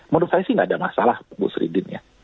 menurut saya sih tidak ada masalah bu sri din ya